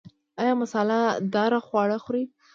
ایا مساله داره خواړه خورئ؟